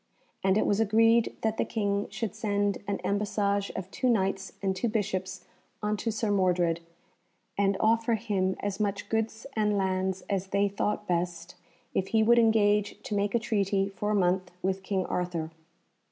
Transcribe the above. And it was agreed that the King should send an embassage of two Knights and two Bishops unto Sir Mordred, and offer him as much goods and lands as they thought best if he would engage to make a treaty for a month with King Arthur.